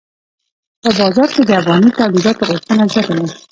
په بازار کې د افغاني تولیداتو غوښتنه زیاته ده.